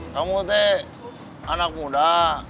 kamu teh anak muda